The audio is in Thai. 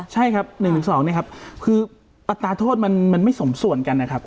ใช่ครับ๑๒เนี่ยครับคืออัตราโทษมันไม่สมส่วนกันนะครับ